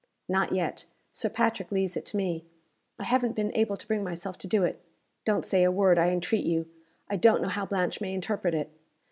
"Not yet. Sir Patrick leaves it to me. I haven't been able to bring myself to do it. Don't say a word, I entreat you. I don't know how Blanche may interpret it.